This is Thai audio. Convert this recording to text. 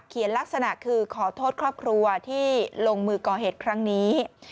ลักษณะคือขอโทษครอบครัวที่ลงมือก่อเหตุครั้งนี้